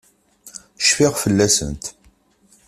Cfiɣ fell-asent.